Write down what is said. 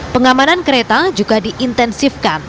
pengamanan kereta juga diintensifkan